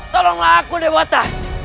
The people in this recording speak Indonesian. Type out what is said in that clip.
tolonglah aku dewata